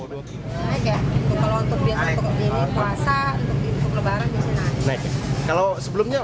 rp tiga puluh ya ini karena dekat dengan lebaran sama ramadan ya